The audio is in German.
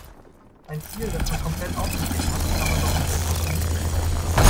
Ein Ziel, das man komplett aufgegeben hat, kann man doch nicht als Kompromiss verkaufen.